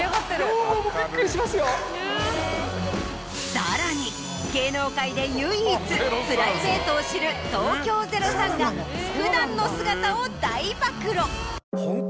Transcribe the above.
さらに芸能界で唯一プライベートを知る東京０３が普段の姿を大暴露。